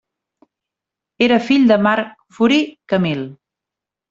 Era fill de Marc Furi Camil.